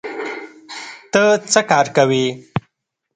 ته څه کار کوې؟